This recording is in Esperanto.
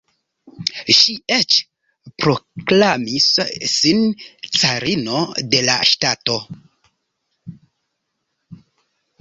Ŝi eĉ proklamis sin “carino” de la ŝtato.